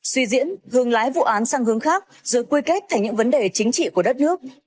suy diễn hương lái vụ án sang hướng khác dưới quy kết thành những vấn đề chính trị của đất nước